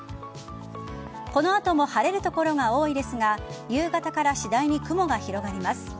この後も晴れる所が多いですが夕方から次第に雲が広がります。